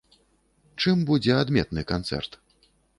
Чым будзе адметны канцэрт?